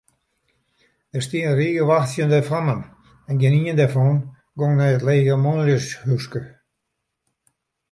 Der stie in rige wachtsjende fammen en gjinien dêrfan gong nei it lege manljushúske.